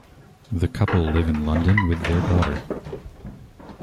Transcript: The couple live in London with their daughter.